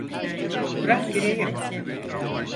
Bırak gireyim!